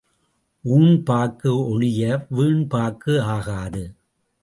ஊண் பாக்கு ஒழிய வீண் பாக்கு ஆகாது.